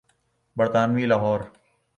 برطانوی لاہور۔